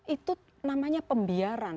itu namanya pembiaran